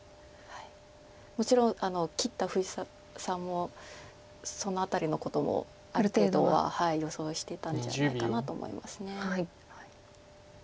もちろん切った藤沢さんもその辺りのこともある程度は予想してたんじゃないかなと思います。